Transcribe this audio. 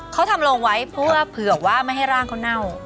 เขาทำลงไว้เพื่อเผื่อว่าไม่ให้ร่างเขาเน่า